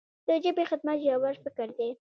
د ژبې خدمت ژور فکر دی.